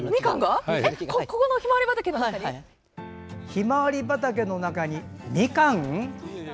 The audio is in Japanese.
ひまわり畑の中にみかん？